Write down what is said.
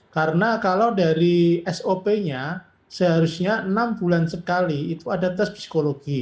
karena kalau dari sop nya seharusnya enam bulan sekali itu ada tes psikologi